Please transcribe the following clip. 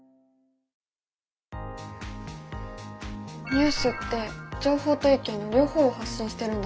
ニュースって情報と意見の両方を発信してるんだね。